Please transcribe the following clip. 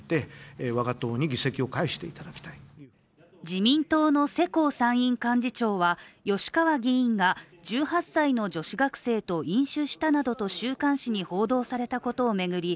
自民党の世耕参院幹事長は吉川議員が１８歳の女子学生と飲酒したなどと週刊誌に報道されたことを巡り